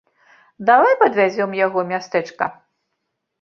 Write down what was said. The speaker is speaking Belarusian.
Давай падвязём яго ў мястэчка.